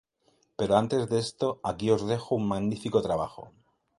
Pero antes de esto aquí nos dejó un magnífico trabajo.